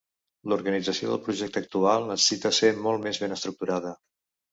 L'organització del projecte actual necessita ser molt més ben estructurada.